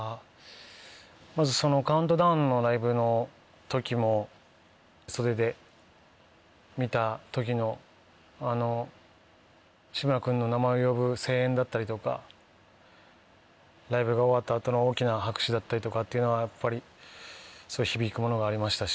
まずそのカウントダウンのライブの時も袖で見た時のあの志村君の名前を呼ぶ声援だったりとかライブが終わった後の大きな拍手だったりとかっていうのはやっぱりすごい響くものがありましたし。